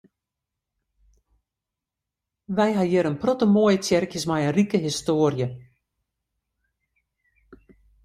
Wy ha hjir in protte moaie tsjerkjes mei in rike histoarje.